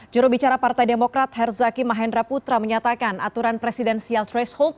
jurubicara partai demokrat herzaki mahendra putra menyatakan aturan presidensial threshold